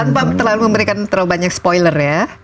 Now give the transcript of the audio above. tanpa terlalu memberikan terlalu banyak spoiler ya